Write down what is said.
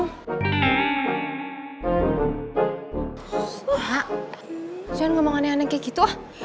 kak jangan ngomong aneh aneh kayak gitu ah